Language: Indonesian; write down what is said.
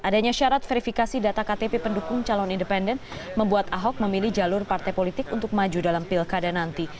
adanya syarat verifikasi data ktp pendukung calon independen membuat ahok memilih jalur partai politik untuk maju dalam pilkada nanti